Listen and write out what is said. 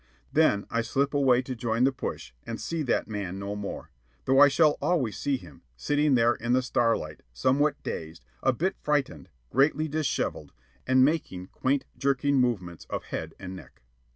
Then I slip away to join the push, and see that man no more though I shall always see him, sitting there in the starlight, somewhat dazed, a bit frightened, greatly dishevelled, and making quaint jerking movements of head and neck.